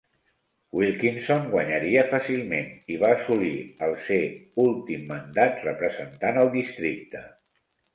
Wilkinson guanyaria fàcilment i va assolir el ser últim mandat representant el districte.